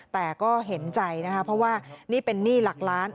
แต่ก็เห็นใจนะคะเพราะว่านี่เป็นหนี้หลักล้าน